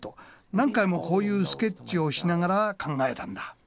何回もこういうスケッチをしながら考えたんだ。